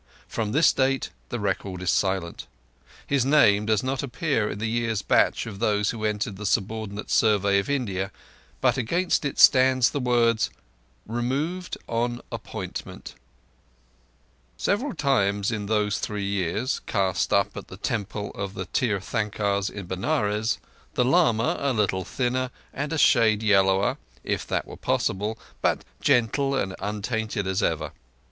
From this date the record is silent. His name does not appear in the year's batch of those who entered for the subordinate Survey of India, but against it stand the words "removed on appointment." Several times in those three years, cast up at the Temple of the Tirthankars in Benares the lama, a little thinner and a shade yellower, if that were possible, but gentle and untainted as ever.